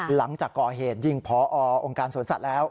หลังจากก่อเหตุยิงพอองค์การสวนสัตว์แล้ว